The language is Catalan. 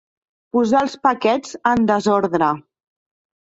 Posar els paquets en desordre.